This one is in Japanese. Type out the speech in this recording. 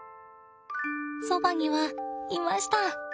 そばにはいました。